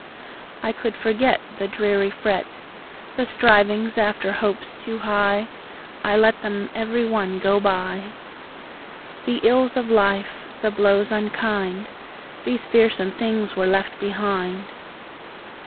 I could forget The dreary fret. The strivings after hopes too high, I let them every one go by. The ills of life, the blows unkind, These fearsome things were left behind.